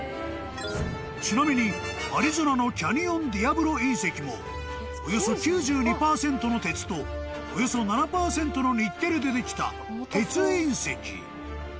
［ちなみにアリゾナのキャニオンディアブロ隕石もおよそ９２％の鉄とおよそ７％のニッケルでできた鉄隕石］